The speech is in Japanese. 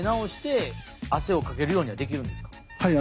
はい。